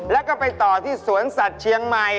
แล้วก็ไปต่อที่สวนสัตว์เชียงใหม่